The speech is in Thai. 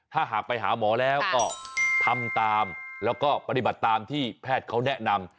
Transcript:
ถ้าหากไปหาหมอแล้วก็ทำตามแล้วก็ปฏิบัติตามที่แพทย์เขาแนะนำ